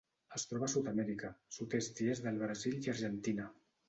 Es troba a Sud-amèrica: sud-est i est del Brasil i Argentina.